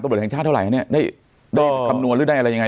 บทแห่งชาติเท่าไหร่คะเนี่ยได้คำนวณหรือได้อะไรยังไง